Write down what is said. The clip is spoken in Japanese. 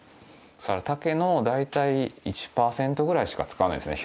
竹の大体１％ぐらいしか使わないですね。